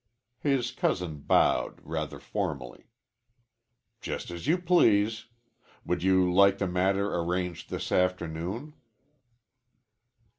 His cousin bowed, rather formally. "Just as you please. Would you like the matter arranged this afternoon?"